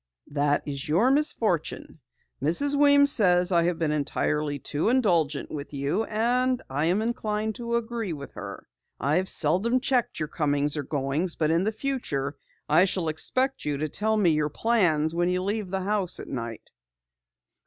"That is your misfortune. Mrs. Weems says I have been entirely too indulgent with you, and I am inclined to agree with her. I've seldom checked your comings or goings, but in the future I shall expect you to tell me your plans when you leave the house at night."